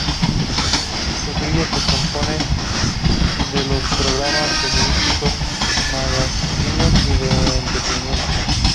Su grilla se compone de programas periodísticos, magacines y de entretenimiento.